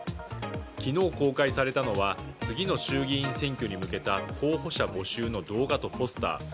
昨日、公開されたのは次の衆議院選挙に向けた候補者募集の動画とポスター。